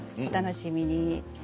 お楽しみに！